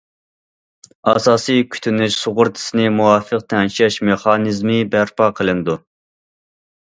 ئاساسىي كۈتۈنۈش سۇغۇرتىسىنى مۇۋاپىق تەڭشەش مېخانىزمى بەرپا قىلىنىدۇ.